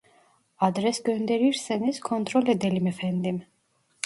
Adres gönderirseniz kontrol edelim efendim